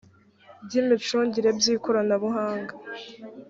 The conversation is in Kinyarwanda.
bw imicungire bw ikoranabuhanga